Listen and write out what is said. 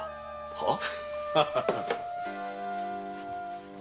はっ？